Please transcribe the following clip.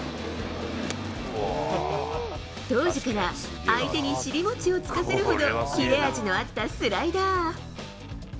当時から相手に尻餅をつかせるほど、切れ味のあったスライダー。